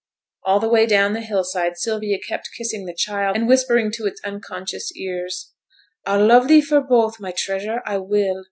All the way down the hill side, Sylvia kept kissing the child, and whispering to its unconscious ears, 'I'll love thee for both, my treasure, I will.